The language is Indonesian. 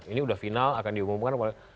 ini udah final akan diumumkan